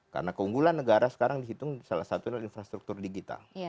karena keunggulan negara sekarang dihitung salah satunya infrastruktur digital